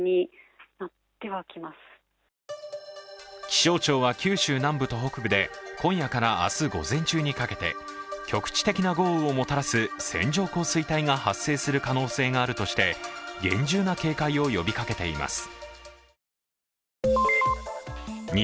気象庁は九州南部と北部で今夜から明日午前中にかけて局地的な豪雨をもたらす線状降水帯が発生する可能性があるとして警戒を呼びかけています。